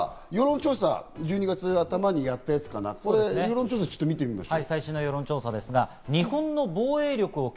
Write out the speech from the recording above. じゃあ世論調査、１２月頭にやったやつかな、これを見てみましょう。